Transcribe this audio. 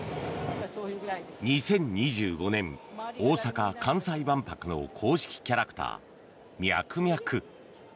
２０２５年、大阪・関西万博の公式キャラクターミャクミャク。